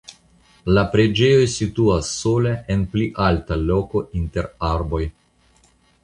La preĝejo situas sola en pli alta loko inter arboj.